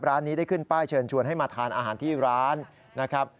ร้านนี้ได้ขึ้นป้ายเชิญชวนให้มาทานอาหารที่ร้านนะครับ